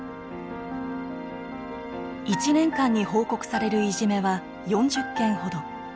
１年間に報告されるいじめは４０件ほど。